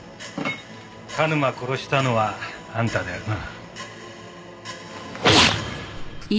田沼殺したのはあんただよな？